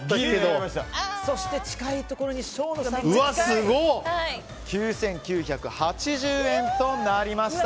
そして近いところに生野さん９９８０円となりました。